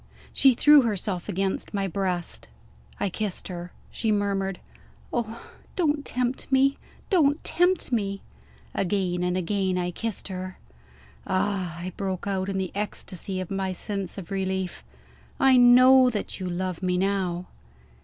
She threw herself on my breast. I kissed her. She murmured, "Oh don't tempt me! Don't tempt me!" Again and again, I kissed her. "Ah," I broke out, in the ecstasy of my sense of relief, "I know that you love me, now!"